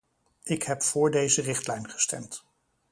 Ik heb voor deze richtlijn gestemd.